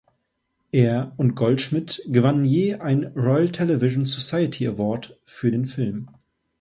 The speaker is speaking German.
Er und Goldschmidt gewannen je einen Royal Television Society Award für den Film.